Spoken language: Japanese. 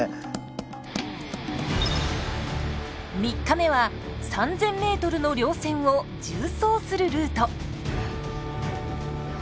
３日目は３，０００ｍの稜線を縦走するルート。